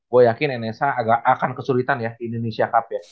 gua yakin nsa akan kesulitan ya di indonesia cup